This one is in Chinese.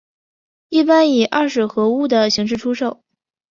一般以二水合物的形式出售。